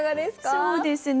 そうですね